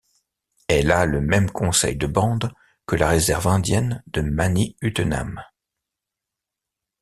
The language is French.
Elle a le même conseil de bande que la réserve indienne de Mani-Utenam.